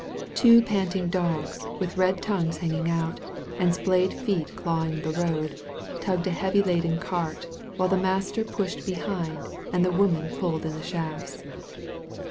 Two panting dogs, with red tongues hanging out, and splayed feet clawing the road, tugging a heavy laden cart while the master pushed behind and the woman pulled in the shafts.